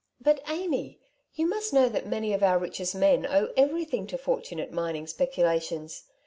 " But, Amy, you must know that many of our richest men owe everything to fortunate mining speculations.